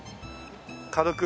軽く。